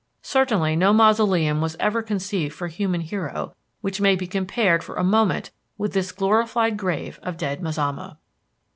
Certainly no mausoleum was ever conceived for human hero which may be compared for a moment with this glorified grave of dead Mazama!